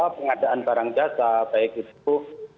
pengadaan barang jasa baik itu